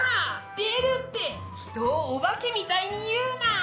「出る」って人をお化けみたいに言うな！